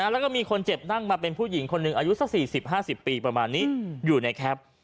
แล้วก็มีคนเจ็บนั่งมาเป็นผู้หญิงคนหนึ่งอายุสัก๔๐๕๐ปีประมาณนี้อยู่ในแคป